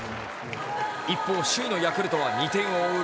一方首位のヤクルト２点を追う